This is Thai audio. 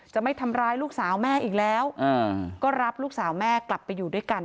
จะไม่ทำร้ายลูกสาวแม่อีกแล้วก็รับลูกสาวแม่กลับไปอยู่ด้วยกัน